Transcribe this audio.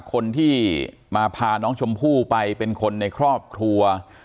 คนที่มาพาน้องชมพู่ไปเป็นคนในครอบครัว